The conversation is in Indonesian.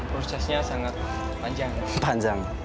sekarang prosesnya sangat panjang